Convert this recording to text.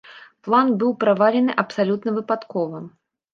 План быў правалены абсалютна выпадкова.